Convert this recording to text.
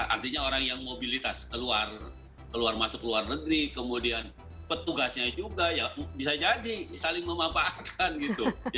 artinya orang yang mobilitas keluar masuk luar negeri kemudian petugasnya juga ya bisa jadi saling memanfaatkan gitu